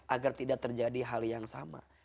agar tidak terjadi hal yang sama